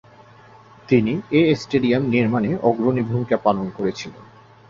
তিনি এ স্টেডিয়াম নির্মাণে অগ্রণী ভূমিকা পালন করেছিলেন।